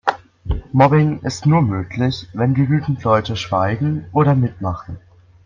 Mobbing ist nur möglich, wenn genügend Leute schweigen oder mitmachen.